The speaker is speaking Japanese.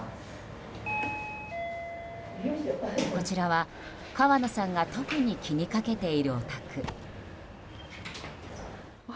こちらは河野さんが特に気にかけているお宅。